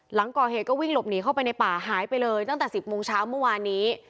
หลังก่อเหตุก็วิ่งหลบหนีเข้าไปในป่าหายไปเลยตั้งแต่๑๐โมงเช้าเมื่อวานนี้